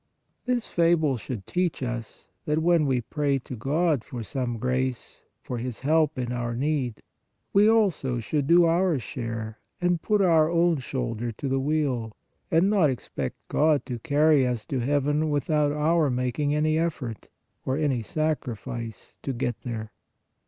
This fable should teach us that, when we pray to God for some grace, for His help in our need, we also should do our share and put our own shoulder to the wheel, and not 50 PRAYER expect God to carry us to heaven without our mak ing any effort, or any sacrifice to get there.